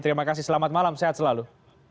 terima kasih selamat malam sehat selalu